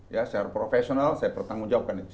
secara profesional saya pertanggung jawabkan itu